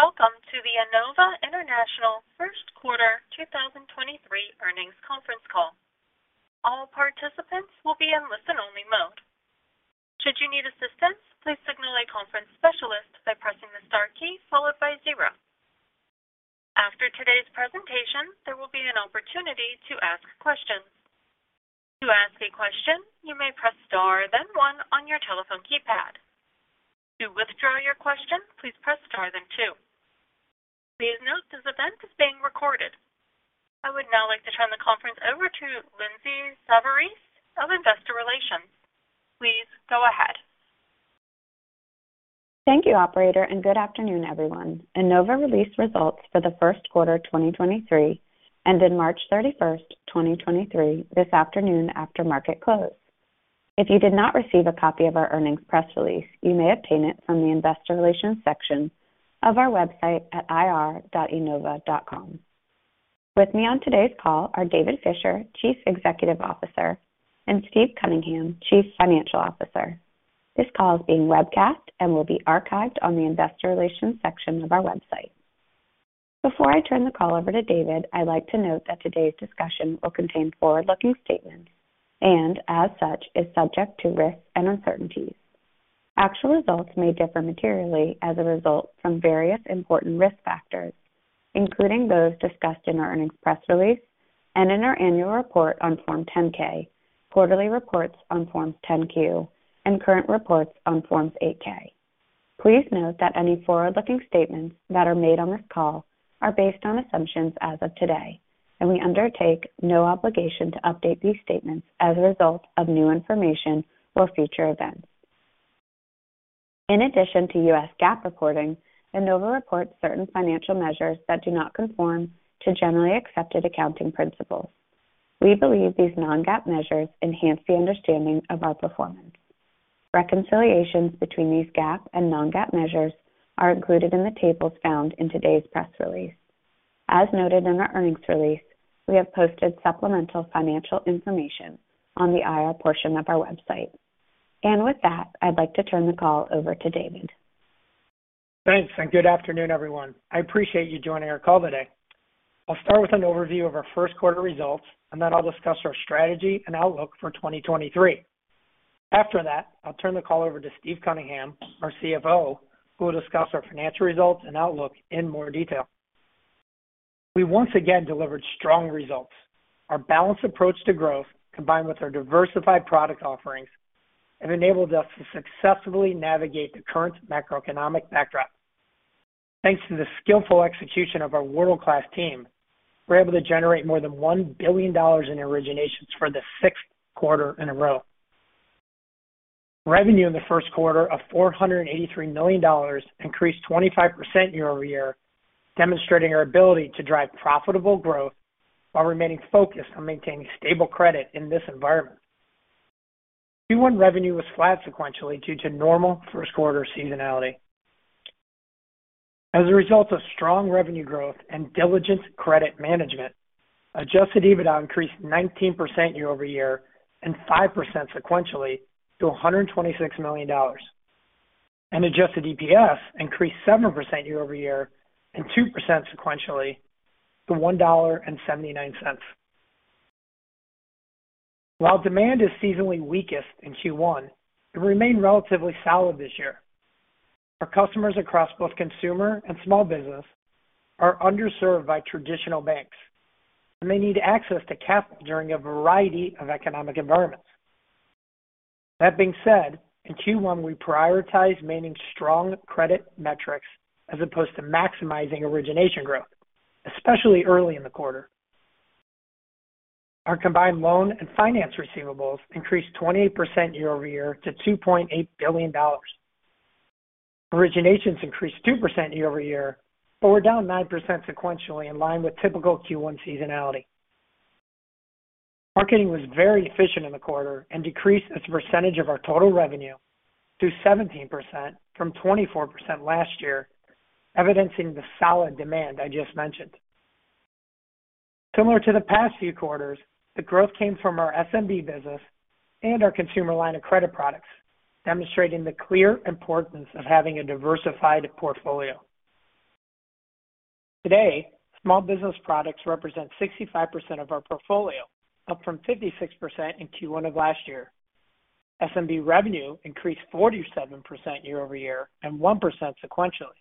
Good afternoon, welcome to the Enova International First Quarter 2023 Earnings Conference Call. All participants will be in listen-only mode. Should you need assistance, please signal a conference specialist by pressing the star key followed by zero. After today's presentation, there will be an opportunity to ask questions. To ask a question, you may press Star then one on your telephone keypad. To withdraw your question, please press Star then two. Please note this event is being recorded. I would now like to turn the conference over to Lindsay Savarese of Investor Relations. Please go ahead. Thank you, operator, and good afternoon, everyone. Enova released results for the first quarter of 2023, ended March 31st, 2023 this afternoon after market close. If you did not receive a copy of our earnings press release, you may obtain it from the Investor Relations section of our website at ir.enova.com. With me on today's call are David Fisher, Chief Executive Officer, and Steve Cunningham, Chief Financial Officer. This call is being webcast and will be archived on the investor relations section of our website. Before I turn the call over to David, I'd like to note that today's discussion will contain forward-looking statements and as such, is subject to risks and uncertainties. Actual results may differ materially as a result from various important risk factors, including those discussed in our earnings press release and in our annual report on Form 10-K, quarterly reports on Form 10-Q, and current reports on Form 8-K. Please note that any forward-looking statements that are made on this call are based on assumptions as of today, and we undertake no obligation to update these statements as a result of new information or future events. In addition to U.S. GAAP reporting, Enova reports certain financial measures that do not conform to generally accepted accounting principles. We believe these non-GAAP measures enhance the understanding of our performance. Reconciliations between these GAAP and non-GAAP measures are included in the tables found in today's press release. As noted in our earnings release, we have posted supplemental financial information on the IR portion of our website. With that, I'd like to turn the call over to David. Thanks, good afternoon, everyone. I appreciate you joining our call today. I'll start with an overview of our first quarter results, then I'll discuss our strategy and outlook for 2023. After that, I'll turn the call over to Steve Cunningham, our CFO, who will discuss our financial results and outlook in more detail. We once again delivered strong results. Our balanced approach to growth, combined with our diversified product offerings, have enabled us to successfully navigate the current macroeconomic backdrop. Thanks to the skillful execution of our world-class team, we're able to generate more than $1 billion in originations for the sixth quarter in a row. Revenue in the first quarter of $483 million increased 25% year-over-year, demonstrating our ability to drive profitable growth while remaining focused on maintaining stable credit in this environment. Q1 revenue was flat sequentially due to normal first quarter seasonality. As a result of strong revenue growth and diligent credit management, adjusted EBITDA increased 19% year-over-year and 5% sequentially to $126 million. Adjusted EPS increased 7% year-over-year and 2% sequentially to $1.79. While demand is seasonally weakest in Q1, it remained relatively solid this year. Our customers across both consumer and small business are underserved by traditional banks and may need access to capital during a variety of economic environments. That being said, in Q1 we prioritize maintaining strong credit metrics as opposed to maximizing origination growth, especially early in the quarter. Our combined loan and finance receivables increased 28% year-over-year to $2.8 billion. Originations increased 2% year-over-year, but were down 9% sequentially in line with typical Q1 seasonality. Marketing was very efficient in the quarter and decreased as a percentage of our total revenue to 17% from 24% last year, evidencing the solid demand I just mentioned. Similar to the past few quarters, the growth came from our SMB business and our consumer line of credit products, demonstrating the clear importance of having a diversified portfolio. Today, small business products represent 65% of our portfolio, up from 56% in Q1 of last year. SMB revenue increased 47% year-over-year and 1% sequentially.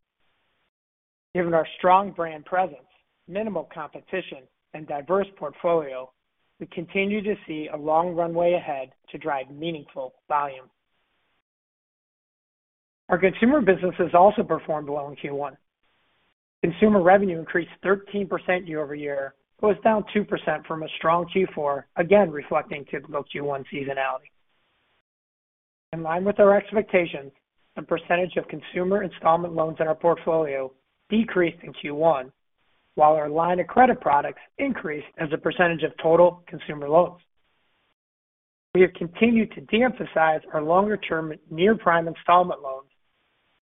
Given our strong brand presence, minimal competition, and diverse portfolio, we continue to see a long runway ahead to drive meaningful volume. Our consumer businesses also performed well in Q1. Consumer revenue increased 13% year-over-year but was down 2% from a strong Q4, again reflecting typical Q1 seasonality. In line with our expectations, the percentage of consumer installment loans in our portfolio decreased in Q1 while our line of credit products increased as a percentage of total consumer loans. We have continued to de-emphasize our longer-term near-prime installment loans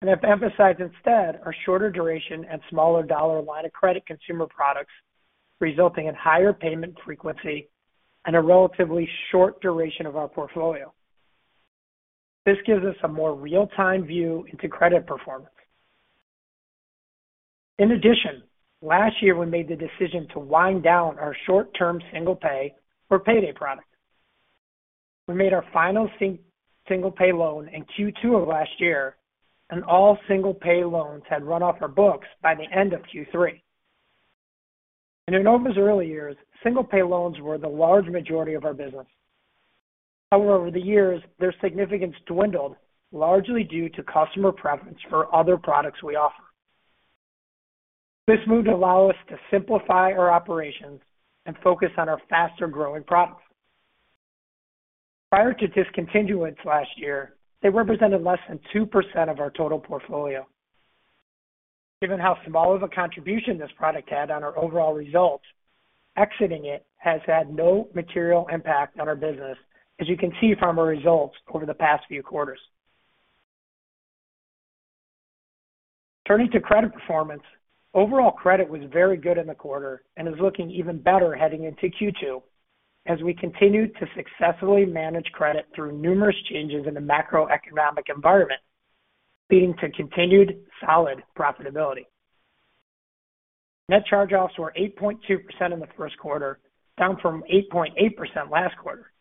and have emphasized instead our shorter duration and smaller dollar line of credit consumer products, resulting in higher payment frequency and a relatively short duration of our portfolio. This gives us a more real-time view into credit performance. In addition, last year we made the decision to wind down our short-term single-pay for payday product. We made our final single-pay loan in Q2 of last year, and all single-pay loans had run off our books by the end of Q3. In Enova's early years, single-pay loans were the large majority of our business. Over the years, their significance dwindled, largely due to customer preference for other products we offer. This move to allow us to simplify our operations and focus on our faster-growing products. Prior to discontinuance last year, they represented less than 2% of our total portfolio. Given how small of a contribution this product had on our overall results, exiting it has had no material impact on our business, as you can see from our results over the past few quarters. Turning to credit performance, overall credit was very good in the quarter and is looking even better heading into Q2 as we continue to successfully manage credit through numerous changes in the macroeconomic environment, leading to continued solid profitability. Net charge-offs were 8.2% in the first quarter, down from 8.8% last quarter.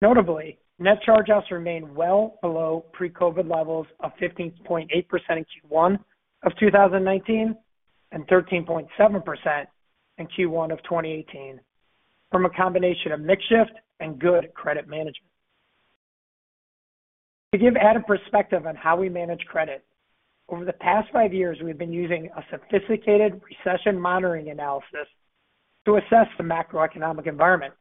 Notably, net charge-offs remain well below pre-COVID levels of 15.8% in Q1 of 2019 and 13.7% in Q1 of 2018 from a combination of mix shift and good credit management. To give added perspective on how we manage credit, over the past five years we've been using a sophisticated recession-monitoring analysis to assess the macroeconomic environment.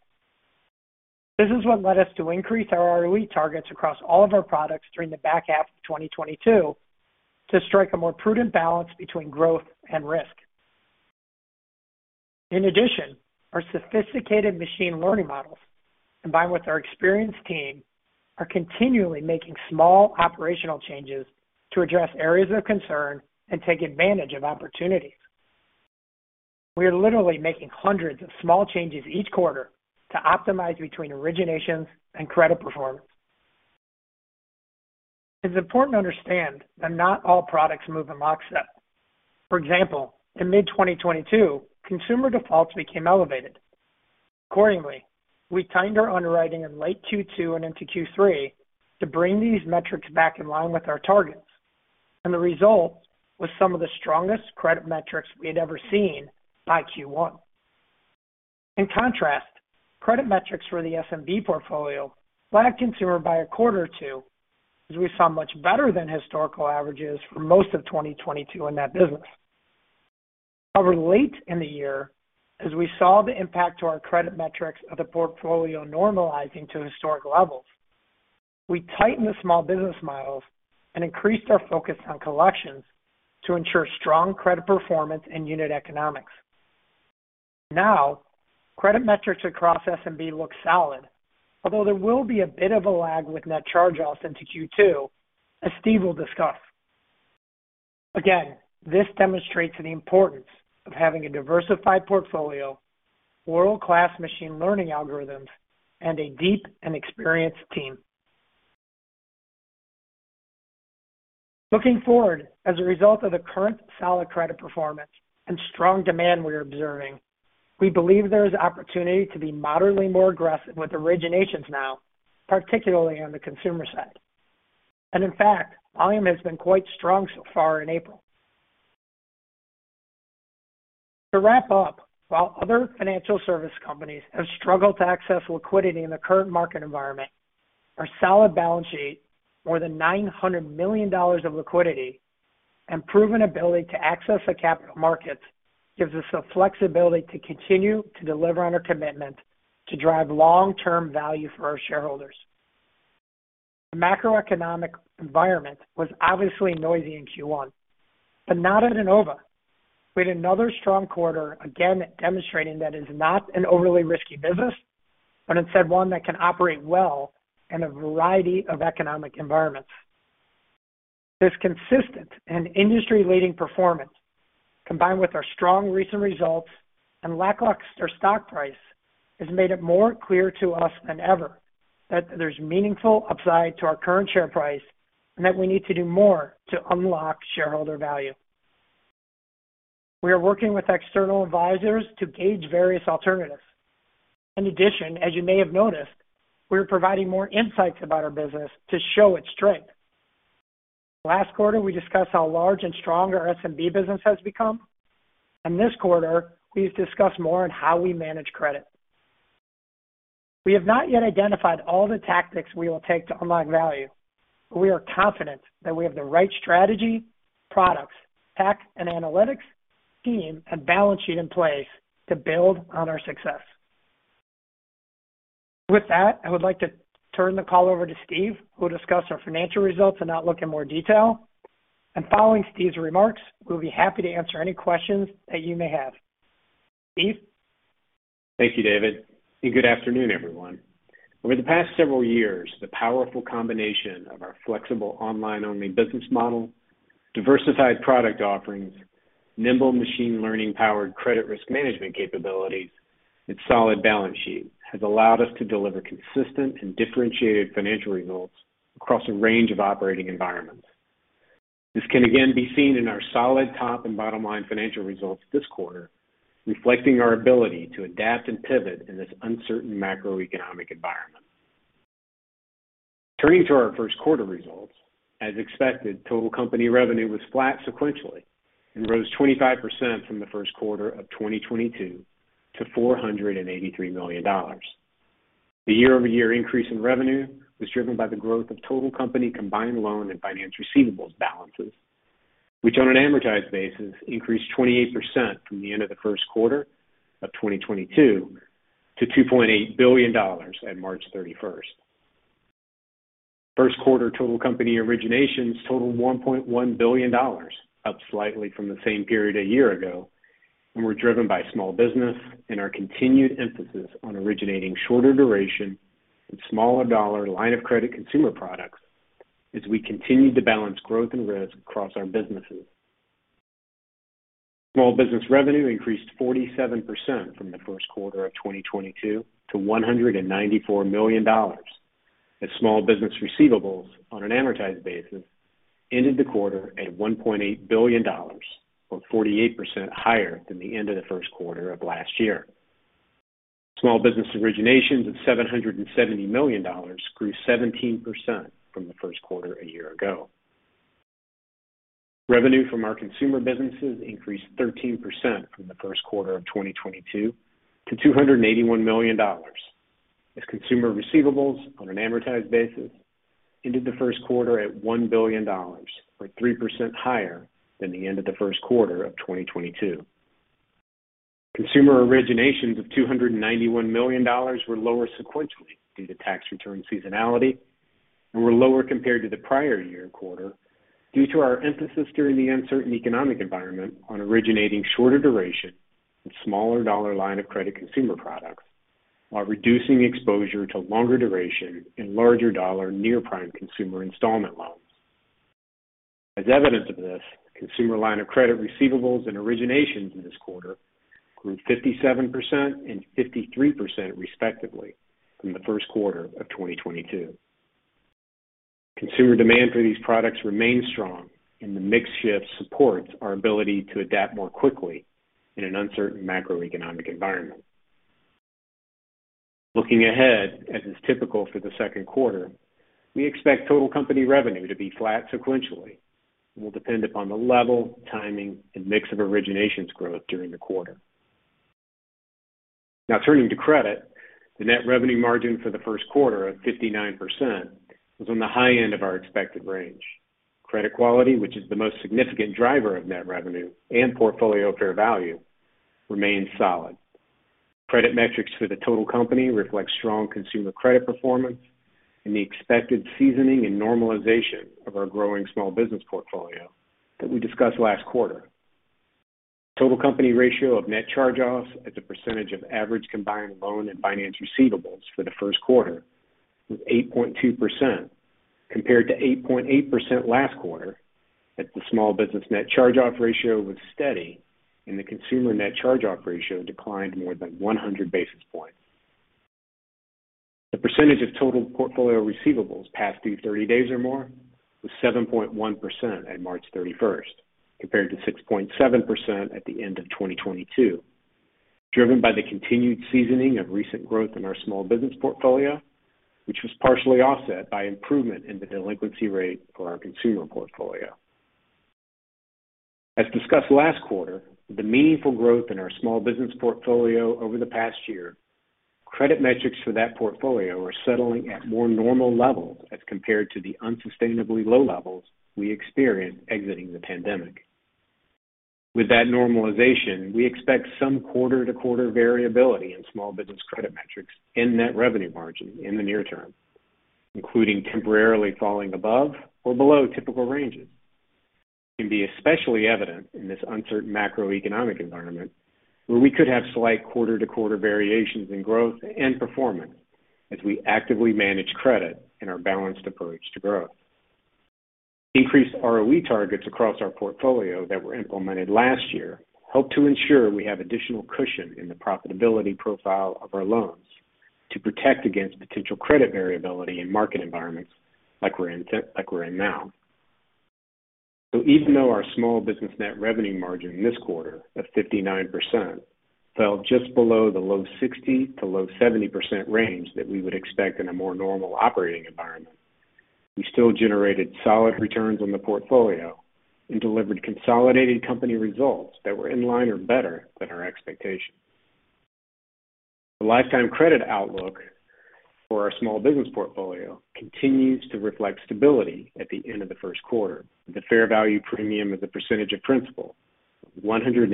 This is what led us to increase our ROE targets across all of our products during the back half of 2022 to strike a more prudent balance between growth and risk. In addition, our sophisticated machine learning models, combined with our experienced team, are continually making small operational changes to address areas of concern and take advantage of opportunities. We are literally making hundreds of small changes each quarter to optimize between originations and credit performance. It's important to understand that not all products move in lockstep. For example, in mid-2022, consumer defaults became elevated. Accordingly, we timed our underwriting in late Q2 and into Q3 to bring these metrics back in line with our targets, and the result was some of the strongest credit metrics we had ever seen by Q1. In contrast, credit metrics for the SMB portfolio lagged consumer by a quarter or two as we saw much better than historical averages for most of 2022 in that business. However, late in the year, as we saw the impact to our credit metrics of the portfolio normalizing to historic levels, we tightened the small business models and increased our focus on collections to ensure strong credit performance and unit economics. Credit metrics across SMB look solid, although there will be a bit of a lag with net charge-offs into Q2, as Steve will discuss. This demonstrates the importance of having a diversified portfolio, world-class machine learning algorithms, and a deep and experienced team. Looking forward, as a result of the current solid credit performance and strong demand we are observing, we believe there is opportunity to be moderately more aggressive with originations now, particularly on the consumer side. In fact, volume has been quite strong so far in April. To wrap up, while other financial service companies have struggled to access liquidity in the current market environment, our solid balance sheet, more than $900 million of liquidity, and proven ability to access the capital markets gives us the flexibility to continue to deliver on our commitment to drive long-term value for our shareholders. The macroeconomic environment was obviously noisy in Q1, but not at Enova. We had another strong quarter, again demonstrating that it's not an overly risky business, but instead one that can operate well in a variety of economic environments. This consistent and industry-leading performance, combined with our strong recent results and lackluster stock price, has made it more clear to us than ever that there's meaningful upside to our current share price and that we need to do more to unlock shareholder value. We are working with external advisors to gauge various alternatives. In addition, as you may have noticed, we are providing more insights about our business to show its strength. Last quarter, we discussed how large and strong our SMB business has become, and this quarter we've discussed more on how we manage credit. We have not yet identified all the tactics we will take to unlock value, but we are confident that we have the right strategy, products, tech and analytics, team, and balance sheet in place to build on our success. With that, I would like to turn the call over to Steve, who will discuss our financial results and outlook in more detail. Following Steve's remarks, we'll be happy to answer any questions that you may have. Steve? Thank you, David. Good afternoon, everyone. Over the past several years, the powerful combination of our flexible online-only business model, diversified product offerings, nimble machine learning-powered credit risk management capabilities and solid balance sheet has allowed us to deliver consistent and differentiated financial results across a range of operating environments. This can again be seen in our solid top and bottom-line financial results this quarter, reflecting our ability to adapt and pivot in this uncertain macroeconomic environment. Turning to our first quarter results, as expected, total company revenue was flat sequentially and rose 25% from the first quarter of 2022 to $483 million. The year-over-year increase in revenue was driven by the growth of total company combined loan and finance receivables balances, which on an amortized basis increased 28% from the end of the first quarter of 2022 to $2.8 billion at March 31st. First quarter total company originations totaled $1.1 billion, up slightly from the same period a year ago, and were driven by small business and our continued emphasis on originating shorter duration and smaller dollar line of credit consumer products as we continued to balance growth and risk across our businesses. Small business revenue increased 47% from the first quarter of 2022 to $194 million, as small business receivables on an amortized basis ended the quarter at $1.8 billion, or 48% higher than the end of the first quarter of last year. Small business originations of $770 million grew 17% from the first quarter a year ago. Revenue from our consumer businesses increased 13% from the first quarter of 2022 to $281 million, as consumer receivables on an amortized basis ended the first quarter at $1 billion, or 3% higher than the end of the first quarter of 2022. Consumer originations of $291 million were lower sequentially due to tax return seasonality and were lower compared to the prior year quarter due to our emphasis during the uncertain economic environment on originating shorter duration and smaller dollar line of credit consumer products, while reducing exposure to longer duration and larger dollar near-prime consumer installment loans. As evidence of this, consumer line of credit receivables and originations in this quarter grew 57% and 53% respectively from the first quarter of 2022. Consumer demand for these products remains strong, and the mix shift supports our ability to adapt more quickly in an uncertain macroeconomic environment. Looking ahead, as is typical for the second quarter, we expect total company revenue to be flat sequentially and will depend upon the level, timing, and mix of originations growth during the quarter. Turning to credit. The net revenue margin for the first quarter of 59% was on the high end of our expected range. Credit quality, which is the most significant driver of net revenue and portfolio fair value, remains solid. Credit metrics for the total company reflects strong consumer credit performance and the expected seasoning and normalization of our growing small business portfolio that we discussed last quarter. Total company ratio of net charge-offs as a percentage of average combined loan and finance receivables for the first quarter was 8.2% compared to 8.8% last quarter, as the small business net charge-off ratio was steady and the consumer net charge-off ratio declined more than 100 basis points. The percentage of total portfolio receivables past due 30 days or more was 7.1% at March 31st compared to 6.7% at the end of 2022, driven by the continued seasoning of recent growth in our small business portfolio, which was partially offset by improvement in the delinquency rate for our consumer portfolio. As discussed last quarter, the meaningful growth in our small business portfolio over the past year, credit metrics for that portfolio are settling at more normal levels as compared to the unsustainably low levels we experienced exiting the pandemic. With that normalization, we expect some quarter-to-quarter variability in small business credit metrics and net revenue margin in the near term, including temporarily falling above or below typical ranges. It can be especially evident in this uncertain macroeconomic environment where we could have slight quarter-to-quarter variations in growth and performance as we actively manage credit in our balanced approach to growth. Increased ROE targets across our portfolio that were implemented last year help to ensure we have additional cushion in the profitability profile of our loans to protect against potential credit variability in market environments like we're in now. Even though our small business net revenue margin this quarter of 59% fell just below the low 60% to low 70% range that we would expect in a more normal operating environment, we still generated solid returns on the portfolio and delivered consolidated company results that were in line or better than our expectations. The lifetime credit outlook for our small business portfolio continues to reflect stability at the end of the first quarter. The fair value premium as a percentage of principal 108%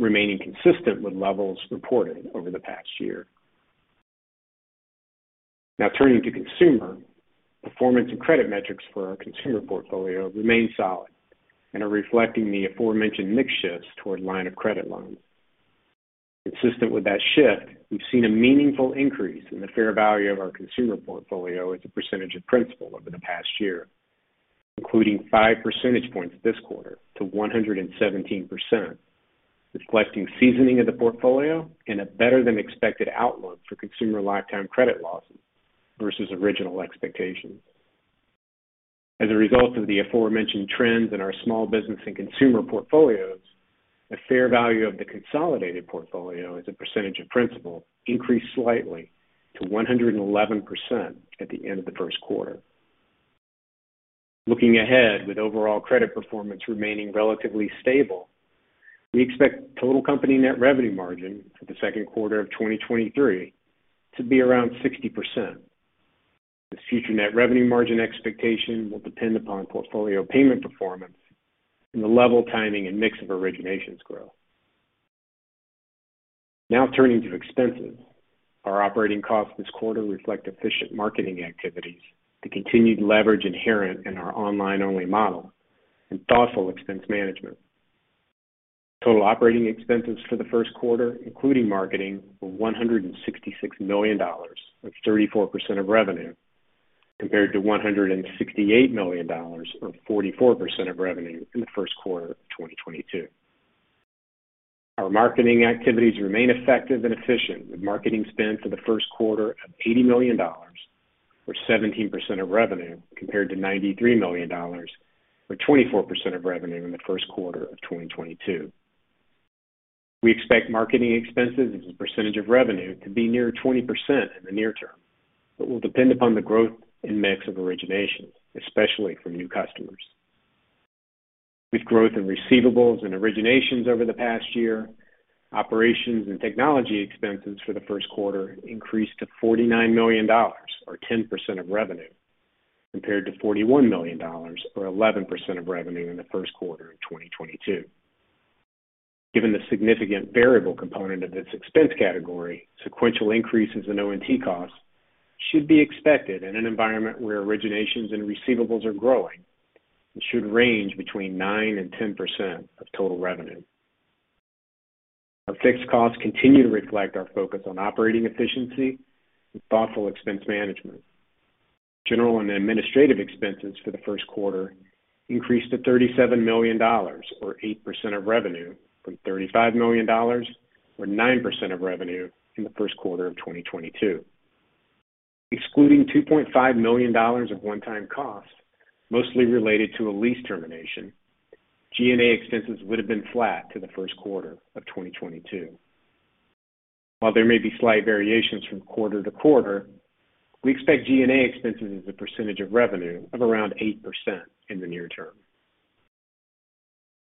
remaining consistent with levels reported over the past year. Now turning to consumer. Performance and credit metrics for our consumer portfolio remain solid and are reflecting the aforementioned mix shifts toward line of credit loans. Consistent with that shift, we've seen a meaningful increase in the fair value of our consumer portfolio as a percentage of principal over the past year, including five percentage points this quarter to 117%, reflecting seasoning of the portfolio and a better-than-expected outlook for consumer lifetime credit losses versus original expectations. As a result of the aforementioned trends in our small business and consumer portfolios, the fair value of the consolidated portfolio as a percentage of principal increased slightly to 111% at the end of the first quarter. Looking ahead, with overall credit performance remaining relatively stable, we expect total company net revenue margin for the second quarter of 2023 to be around 60%. This future net revenue margin expectation will depend upon portfolio payment performance and the level, timing, and mix of originations growth. Turning to expenses. Our operating costs this quarter reflect efficient marketing activities, the continued leverage inherent in our online-only model, and thoughtful expense management. Total operating expenses for the first quarter, including marketing, were $166 million, or 34% of revenue, compared to $168 million, or 44% of revenue in the first quarter of 2022. Our marketing activities remain effective and efficient, with marketing spend for the first quarter of $80 million, or 17% of revenue, compared to $93 million, or 24% of revenue in the first quarter of 2022. We expect marketing expenses as a percentage of revenue to be near 20% in the near term, but will depend upon the growth and mix of originations, especially from new customers. With growth in receivables and originations over the past year, Operations and Technology expenses for the first quarter increased to $49 million, or 10% of revenue, compared to $41 million, or 11% of revenue in the first quarter of 2022. Given the significant variable component of this expense category, sequential increases in O&T costs should be expected in an environment where originations and receivables are growing and should range between 9% and 10% of total revenue. Our fixed costs continue to reflect our focus on operating efficiency and thoughtful expense management. General and administrative expenses for the first quarter increased to $37 million, or 8% of revenue, from $35 million, or 9% of revenue in the first quarter of 2022. Excluding $2.5 million of one-time costs, mostly related to a lease termination, G&A expenses would have been flat to the first quarter of 2022. While there may be slight variations from quarter to quarter, we expect G&A expenses as a percentage of revenue of around 8% in the near term.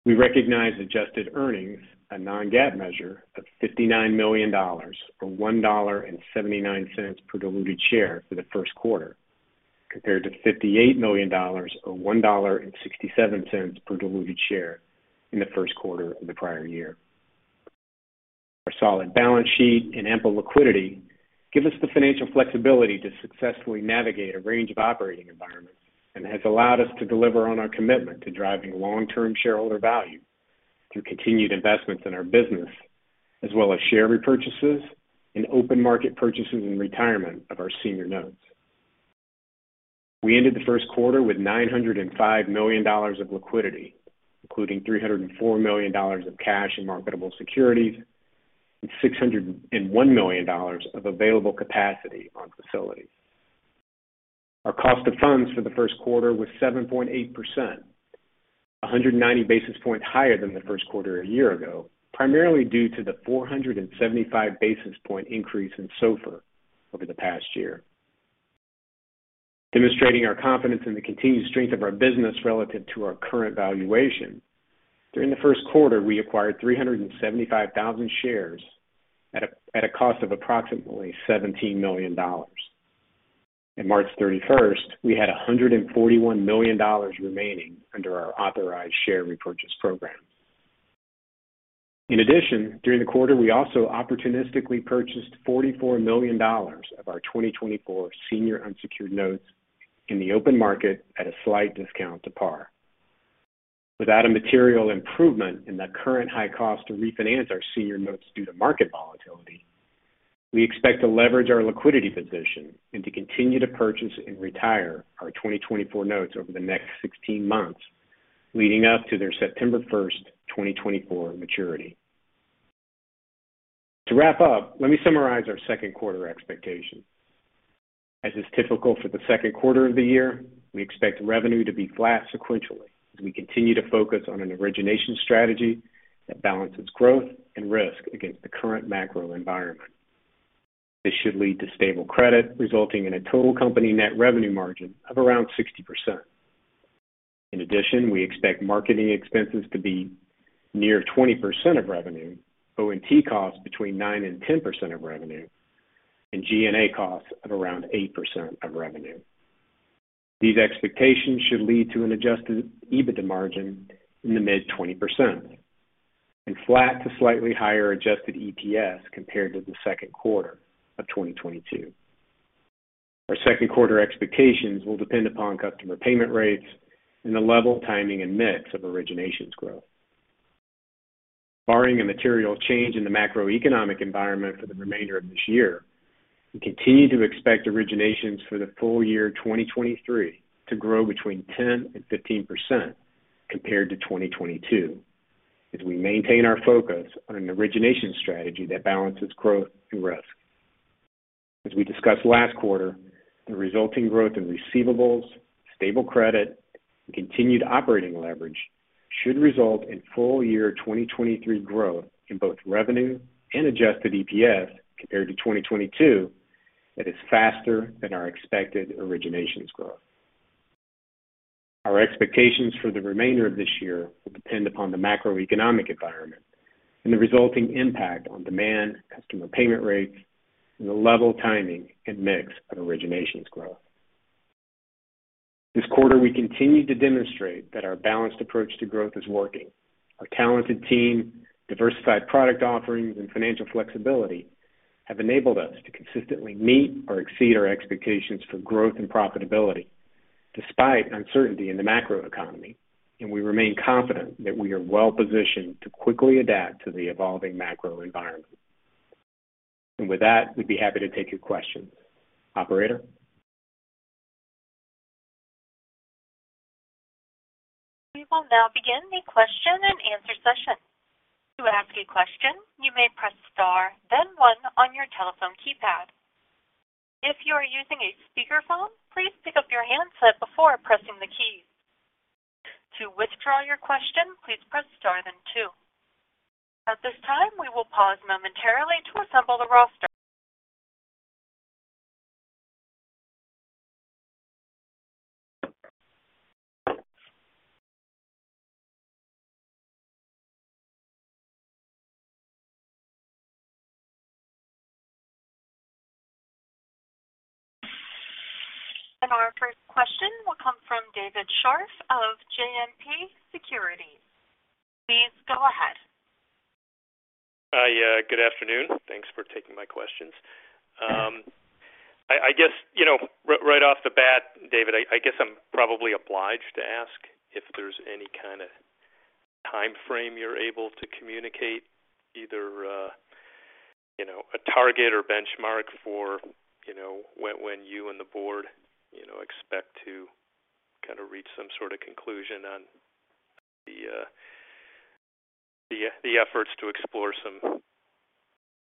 We recognize adjusted earnings, a non-GAAP measure, of $59 million, or $1.79 per diluted share for the first quarter, compared to $58 million, or $1.67 per diluted share in the first quarter of the prior year. Our solid balance sheet and ample liquidity give us the financial flexibility to successfully navigate a range of operating environments and has allowed us to deliver on our commitment to driving long-term shareholder value through continued investments in our business, as well as share repurchases and open market purchases and retirement of our senior notes. We ended the first quarter with $905 million of liquidity, including $304 million of cash and marketable securities and $601 million of available capacity on facilities. Our cost of funds for the first quarter was 7.8%, 190 basis points higher than the first quarter a year ago, primarily due to the 475 basis point increase in SOFR over the past year. Demonstrating our confidence in the continued strength of our business relative to our current valuation, during the first quarter, we acquired 375,000 shares at a cost of approximately $17 million. In March 31st, we had $141 million remaining under our authorized share repurchase program. In addition, during the quarter, we also opportunistically purchased $44 million of our 2024 senior unsecured notes in the open market at a slight discount to par. Without a material improvement in the current high cost to refinance our senior notes due to market volatility, we expect to leverage our liquidity position and to continue to purchase and retire our 2024 notes over the next 16 months, leading up to their September 1st, 2024 maturity. To wrap up, let me summarize our second quarter expectations. As is typical for the second quarter of the year, we expect revenue to be flat sequentially as we continue to focus on an origination strategy that balances growth and risk against the current macro environment. This should lead to stable credit, resulting in a total company net revenue margin of around 60%. We expect marketing expenses to be near 20% of revenue, O&T costs between 9% and 10% of revenue, and G&A costs of around 8% of revenue. These expectations should lead to an adjusted EBITDA margin in the mid-20% and flat to slightly higher adjusted EPS compared to the second quarter of 2022. Our second quarter expectations will depend upon customer payment rates and the level, timing, and mix of originations growth. Barring a material change in the macroeconomic environment for the remainder of this year, we continue to expect originations for the full year 2023 to grow between 10% and 15% compared to 2022 as we maintain our focus on an origination strategy that balances growth and risk. As we discussed last quarter, the resulting growth in receivables, stable credit, and continued operating leverage should result in full year 2023 growth in both revenue and adjusted EPS compared to 2022 that is faster than our expected originations growth. Our expectations for the remainder of this year will depend upon the macroeconomic environment and the resulting impact on demand, customer payment rates, and the level, timing, and mix of originations growth. This quarter, we continued to demonstrate that our balanced approach to growth is working. Our talented team, diversified product offerings, and financial flexibility have enabled us to consistently meet or exceed our expectations for growth and profitability despite uncertainty in the macroeconomy, and we remain confident that we are well-positioned to quickly adapt to the evolving macro environment. With that, we'd be happy to take your questions. Operator? We will now begin the question and answer session. To ask a question, you may press star, then one on your telephone keypad. If you are using a speakerphone, please pick up your handset before pressing the key. To withdraw your question, please press star then two. At this time, we will pause momentarily to assemble the roster. Our first question will come from David Scharf of JMP Securities. Please go ahead. Hi. Good afternoon. Thanks for taking my questions. I guess, you know, right off the bat, David, I guess I'm probably obliged to ask if there's any kinda timeframe you're able to communicate, either, you know, a target or benchmark for, you know, when you and the board, you know, expect to kinda reach some sorta conclusion on the efforts to explore some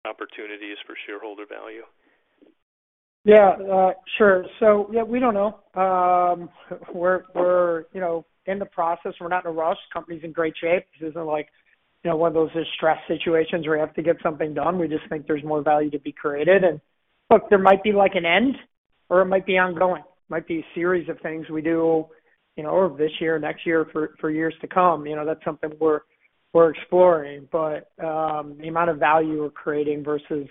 opportunities for shareholder value. Yeah, sure. We don't know. We're, you know, in the process. We're not in a rush. Company's in great shape. This isn't like, you know, one of those distressed situations where you have to get something done. We just think there's more value to be created. Look, there might be like an end or it might be ongoing. Might be a series of things we do, you know, over this year or next year for years to come. You know, that's something we're exploring. The amount of value we're creating versus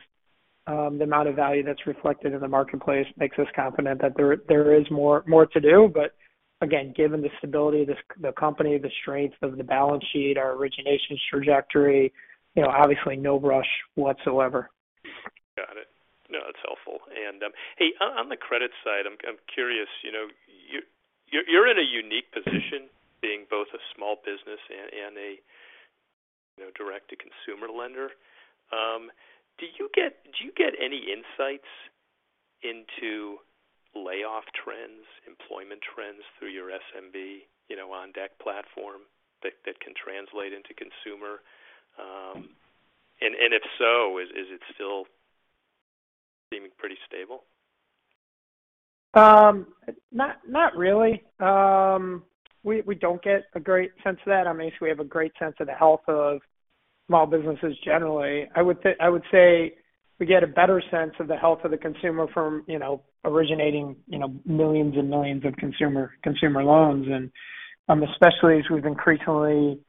the amount of value that's reflected in the marketplace makes us confident that there is more to do. Again, given the stability of the company, the strength of the balance sheet, our originations trajectory, you know, obviously no rush whatsoever. Got it. No, that's helpful. Hey, on the credit side, I'm curious, you know, you're in a unique position being both a small business and a, you know, direct-to-consumer lender. Did you get any insights into layoff trends, employment trends through your SMB, you know, On Deck platform that can translate into consumer? If so, is it still seeming pretty stable? Not, not really. We don't get a great sense of that. I mean, we have a great sense of the health of small businesses generally. I would say we get a better sense of the health of the consumer from, you know, originating, you know, millions and millions of consumer loans. Especially as we've increasingly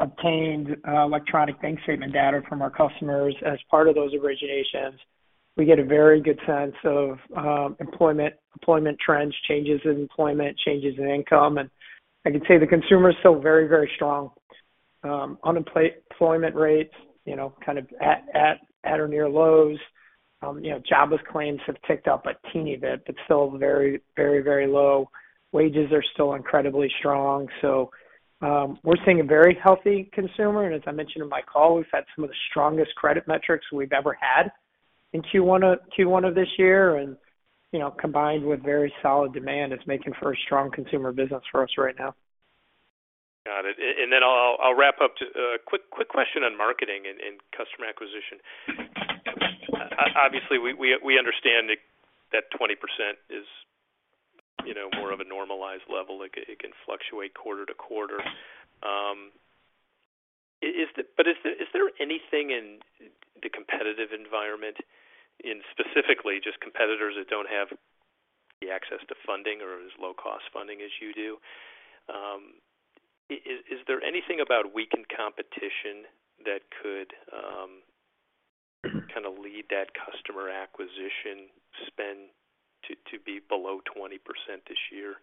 obtained electronic bank statement data from our customers as part of those originations. We get a very good sense of employment trends, changes in employment, changes in income. I can say the consumer is still very strong. Unemployment rates, you know, kind of at or near lows. You know, jobless claims have ticked up a teeny bit, but still very low. Wages are still incredibly strong. We're seeing a very healthy consumer, and as I mentioned in my call, we've had some of the strongest credit metrics we've ever had in Q1 of this year. You know, combined with very solid demand, it's making for a strong consumer business for us right now. Got it. Then I'll wrap up. Quick question on marketing and customer acquisition. Obviously, we understand that 20% is, you know, more of a normalized level. It can fluctuate quarter to quarter. Is there anything in the competitive environment in specifically just competitors that don't have the access to funding or as low-cost funding as you do, is there anything about weakened competition that could, kinda lead that customer acquisition spend be below 20% this year,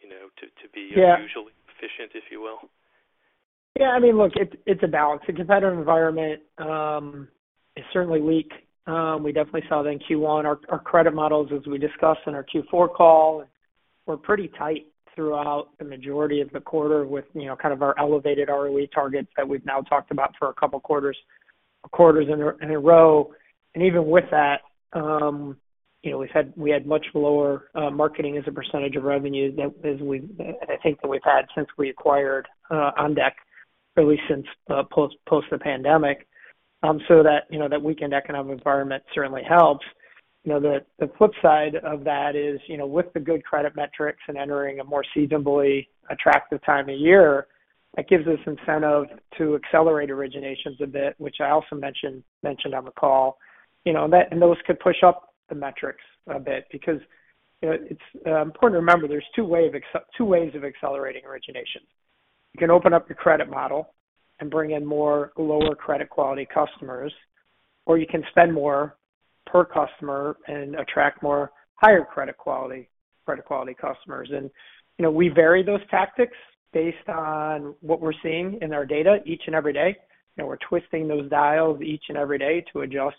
you know, usually efficient, if you will? Yeah, I mean, look, it's a balance. The competitive environment is certainly weak. We definitely saw that in Q1. Our credit models, as we discussed in our Q4 call, were pretty tight throughout the majority of the quarter with, you know, kind of our elevated ROE targets that we've now talked about for a couple quarters in a row. Even with that, you know, we had much lower marketing as a percentage of revenue that I think that we've had since we acquired On Deck really since post the pandemic. That, you know, that weakened economic environment certainly helps. You know, the flip side of that is, you know, with the good credit metrics and entering a more seasonably attractive time of year, that gives us incentive to accelerate originations a bit, which I also mentioned on the call. You know, those could push up the metrics a bit because it's important to remember there's two ways of accelerating origination. You can open up your credit model and bring in more lower credit quality customers, or you can spend more per customer and attract more higher credit quality customers. You know, we vary those tactics based on what we're seeing in our data each and every day. You know, we're twisting those dials each and every day to adjust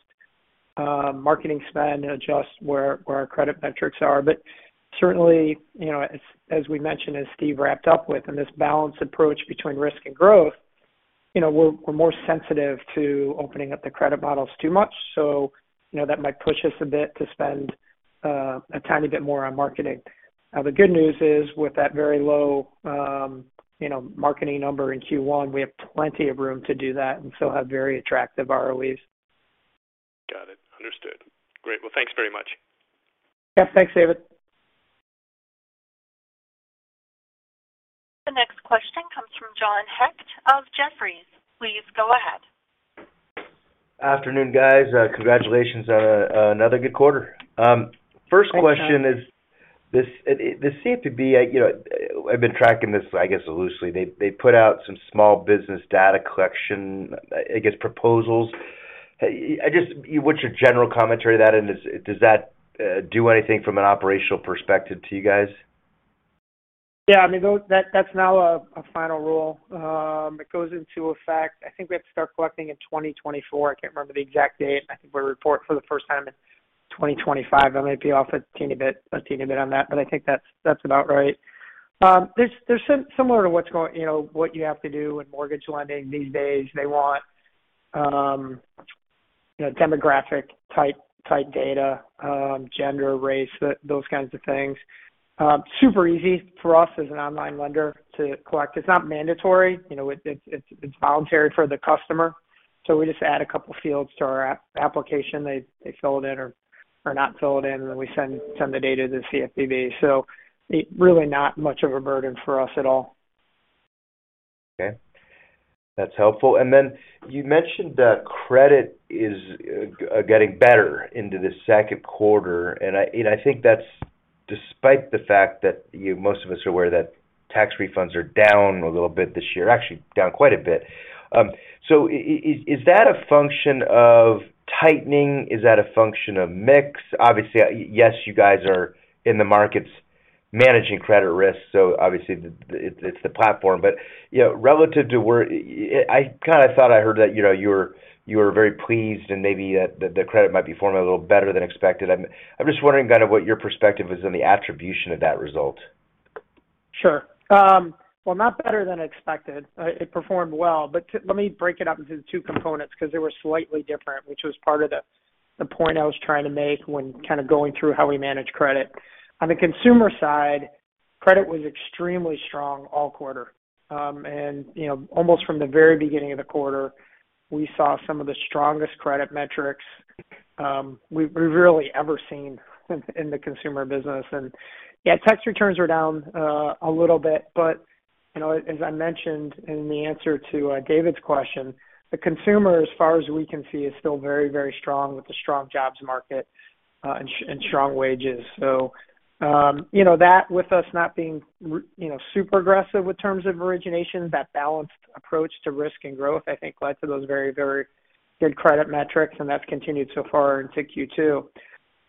marketing spend and adjust where our credit metrics are. Certainly, you know, as we mentioned, as Steve wrapped up with, in this balanced approach between risk and growth, you know, we're more sensitive to opening up the credit models too much. You know, that might push us a bit to spend a tiny bit more on marketing. The good news is, with that very low, you know, marketing number in Q1, we have plenty of room to do that and still have very attractive ROEs. Got it. Understood. Great. Well, thanks very much. Yeah. Thanks, David. The next question comes from John Hecht of Jefferies. Please go ahead. Afternoon, guys. Congratulations on another good quarter. Thanks, John. First question is this. The CFPB, you know, I've been tracking this, I guess, loosely. They put out some small business data collection, I guess, proposals. What's your general commentary to that? Does that do anything from an operational perspective to you guys? Yeah, I mean, those—that's now a final rule. It goes into effect. I think we have to start collecting in 2024. I can't remember the exact date. I think we report for the first time in 2025. I may be off a teeny bit on that, but I think that's about right. There's, they're similar to what's going, you know, what you have to do in mortgage lending these days. They want, you know, demographic type data, gender, race, those kinds of things. Super easy for us as an online lender to collect. It's not mandatory. You know, it's voluntary for the customer. We just add a couple fields to our application. They fill it in or not fill it in, and then we send the data to the CFPB. It really not much of a burden for us at all. Okay. That's helpful. You mentioned that credit is getting better into the second quarter. I think that's despite the fact that most of us are aware that tax refunds are down a little bit this year. Actually, down quite a bit. Is that a function of tightening? Is that a function of mix? Obviously, yes, you guys are in the markets managing credit risk, so obviously it's the platform. You know, relative to where, I kinda thought I heard that, you know, you're, you were very pleased and maybe that the credit might be forming a little better than expected. I'm just wondering kind of what your perspective is on the attribution of that result? Sure. Well, not better than expected. It performed well, but let me break it up into two components 'cause they were slightly different, which was part of the point I was trying to make when kind of going through how we manage credit. On the consumer side, credit was extremely strong all quarter. You know, almost from the very beginning of the quarter, we saw some of the strongest credit metrics, we've really ever seen in the consumer business. Yeah, tax returns are down a little bit. You know, as I mentioned in the answer to David's question, the consumer, as far as we can see, is still very, very strong with the strong jobs market, and strong wages. You know, that with us not being you know, super aggressive with terms of origination, that balanced approach to risk and growth, I think led to those very, very good credit metrics, and that's continued so far into Q2.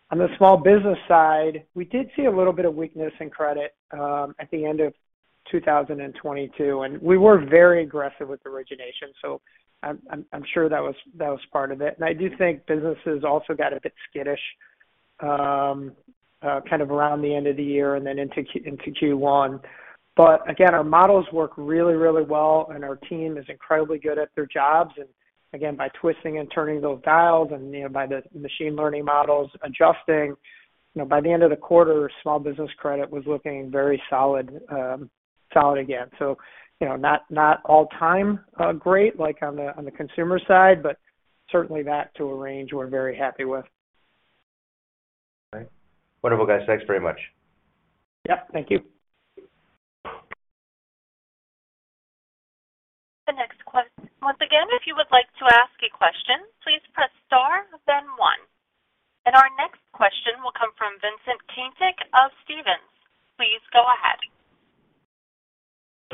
On the small business side, we did see a little bit of weakness in credit at the end of 2022. We were very aggressive with origination, so I'm sure that was, that was part of it. I do think businesses also got a bit skittish kind of around the end of the year and then into Q1. Again, our models work really, really well, and our team is incredibly good at their jobs. Again, by twisting and turning those dials and, you know, by the machine learning models adjusting, you know, by the end of the quarter, small business credit was looking very solid again. You know, not all time, great like on the, on the consumer side, but certainly back to a range we're very happy with. All right. Wonderful, guys. Thanks very much. Yeah. Thank you. Once again, if you would like to ask a question, please press star then one. Our next question will come from Vincent Caintic of Stephens.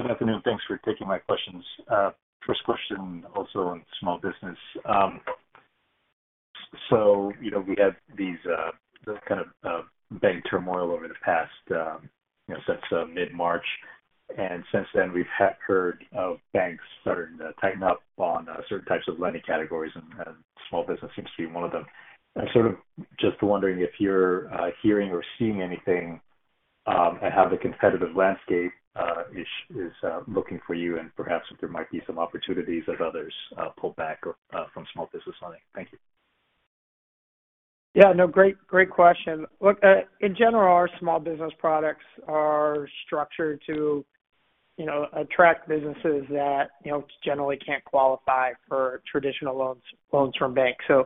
Afternoon. Thanks for taking my questions. First question also on small business. You know, we had these, the kind of, bank turmoil over the past, you know, since mid-March. Since then we've heard of banks starting to tighten up on certain types of lending categories, and small business seems to be one of them. I sort of just wondering if you're hearing or seeing anything, and how the competitive landscape is looking for you and perhaps if there might be some opportunities as others pull back or from small business lending. Thank you. Yeah, no, great question. Look, in general, our small business products are structured to, you know, attract businesses that, you know, generally can't qualify for traditional loans from banks, so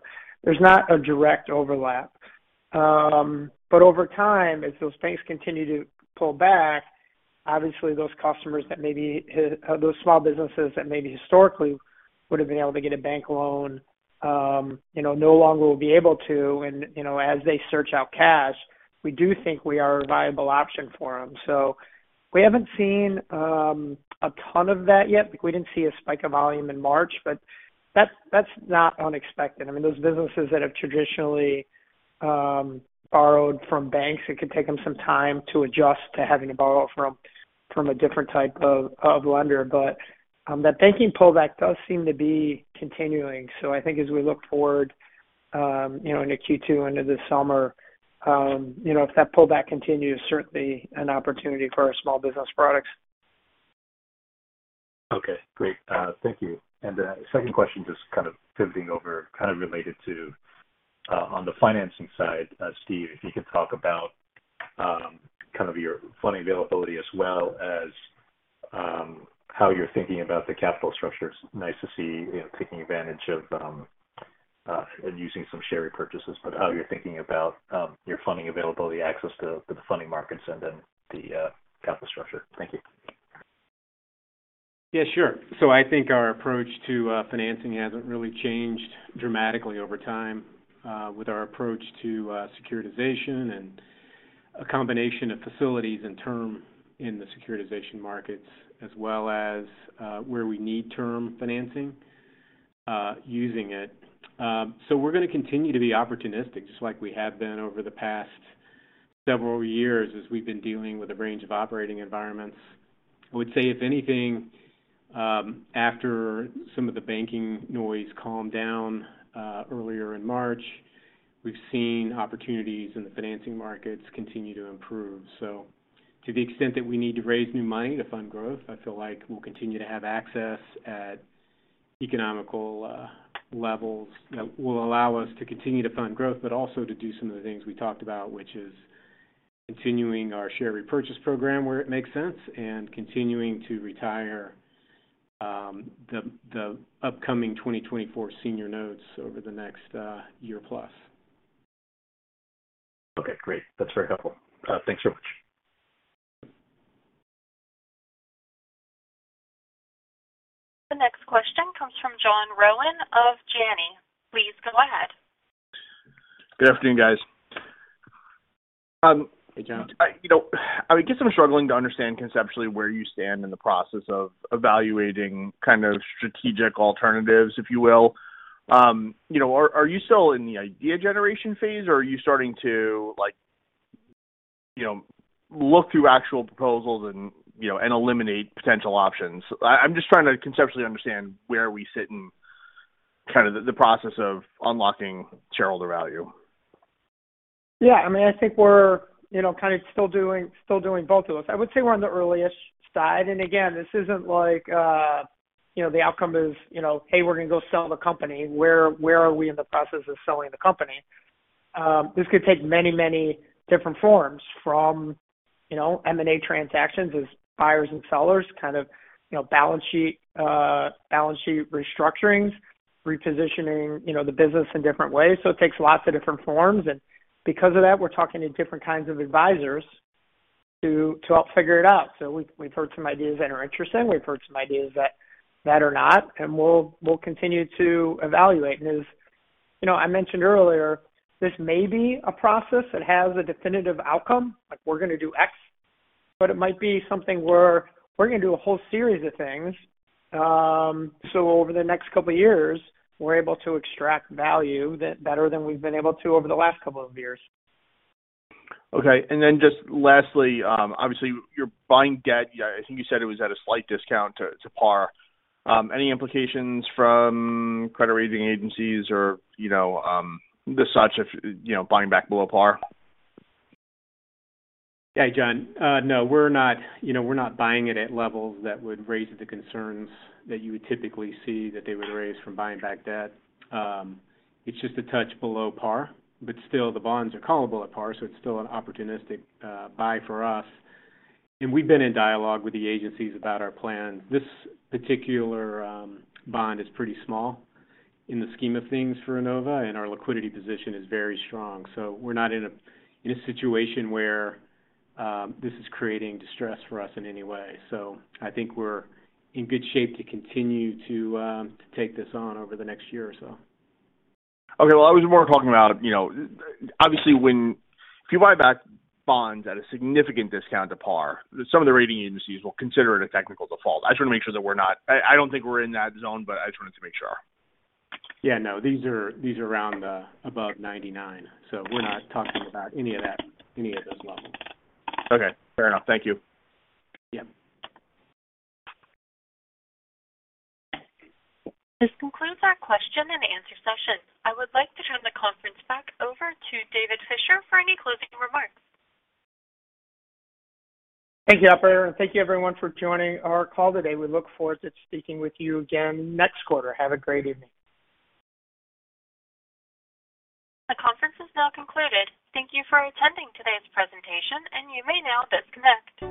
there’s not a direct overlap. Over time, as those banks continue to pull back, obviously those customers that maybe, those small businesses that maybe historically would have been able to get a bank loan, you know, no longer will be able to. As they search out cash, we do think we are a viable option for them. We haven't seen a ton of that yet. Like, we didn't see a spike of volume in March, but that's not unexpected. I mean, those businesses that have traditionally, borrowed from banks, it could take them some time to adjust to having to borrow from a different type of lender. That banking pullback does seem to be continuing. I think as we look forward, you know, into Q2, into the summer, you know, if that pullback continues, certainly an opportunity for our small business products. Okay. Great. Thank you. A second question, just kind of pivoting over, kind of related to on the financing side, Steve, if you could talk about kind of your funding availability as well as how you're thinking about the capital structures? Nice to see, you know, taking advantage of and using some share repurchases, but how you're thinking about your funding availability, access to the funding markets and then the capital structure? Thank you. Yeah, sure. I think our approach to financing hasn't really changed dramatically over time, with our approach to securitization and a combination of facilities and term in the securitization markets as well as, where we need term financing, using it. We're going to continue to be opportunistic just like we have been over the past several years as we've been dealing with a range of operating environments. I would say if anything, after some of the banking noise calmed down, earlier in March, we've seen opportunities in the financing markets continue to improve. To the extent that we need to raise new money to fund growth, I feel like we'll continue to have access at economical levels that will allow us to continue to fund growth, but also to do some of the things we talked about, which is continuing our share repurchase program where it makes sense, and continuing to retire the upcoming 2024 senior notes over the next year plus. Okay, great. That's very helpful. Thanks very much. The next question comes from John Rowan of Janney. Please go ahead. Good afternoon, guys. Hey, John. You know, I guess I'm struggling to understand conceptually where you stand in the process of evaluating kind of strategic alternatives, if you will. You know, are you still in the idea generation phase or are you starting to like, you know, look through actual proposals and, you know, and eliminate potential options? I'm just trying to conceptually understand where we sit in kind of the process of unlocking shareholder value. Yeah. I mean, I think we're, you know, kind of still doing both of those. I would say we're on the earliest side. Again, this isn't like, you know, the outcome is, you know, "Hey we're gonna go sell the company. Where, where are we in the process of selling the company?" This could take many different forms from, you know, M&A transactions as buyers and sellers, kind of, you know, balance sheet restructurings, repositioning, you know, the business in different ways. It takes lots of different forms and because of that we're talking to different kinds of advisors to help figure it out. We've heard some ideas that are interesting. We've heard some ideas that are not, we'll continue to evaluate. As you know, I mentioned earlier this may be a process that has a definitive outcome, like we're gonna do X, but it might be something where we're gonna do a whole series of things. Over the next couple of years we're able to extract value that better than we've been able to over the last couple of years. Okay. Just lastly, obviously you're buying debt. I think you said it was at a slight discount to par. Any implications from credit rating agencies or you know, the such if, you know, buying back below par? Yeah, John. No, we're not, you know, we're not buying it at levels that would raise the concerns that you would typically see that they would raise from buying back debt. It's just a touch below par, but still the bonds are callable at par so it's still an opportunistic buy for us. We've been in dialogue with the agencies about our plan. This particular bond is pretty small in the scheme of things for Enova and our liquidity position is very strong. We're not in a situation where this is creating distress for us in any way. I think we're in good shape to continue to take this on over the next year or so. Okay. Well I was more talking about, you know, obviously if you buy back bonds at a significant discount to par, some of the rating agencies will consider it a technical default. I just wanna make sure that we're not—I don't think we're in that zone but I just wanted to make sure. Yeah, no, these are around above 99 so we're not talking about any of that, any of those levels. Okay, fair enough. Thank you. Yeah. This concludes our question and answer session. I would like to turn the conference back over to David Fisher for any closing remarks. Thank you operator. Thank you everyone for joining our call today. We look forward to speaking with you again next quarter. Have a great evening. The conference is now concluded. Thank you for attending today's presentation and you may now disconnect.